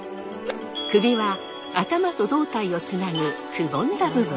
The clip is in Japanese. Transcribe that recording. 首は頭と胴体をつなぐくぼんだ部分。